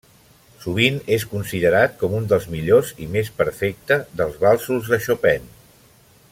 Sovint és considerat com un dels millors i més perfecte dels valsos de Chopin.